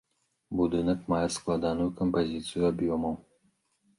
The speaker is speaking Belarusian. Будынак мае складаную кампазіцыю аб'ёмаў.